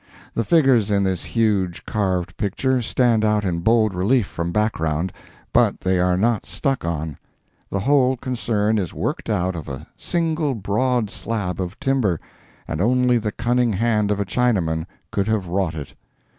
The figures in this huge carved picture stand out in bold relief from the background, but they are not stuck on. The whole concern is worked out of a single broad slab of timber, and only the cunning hand of a Chinaman could have wrought it.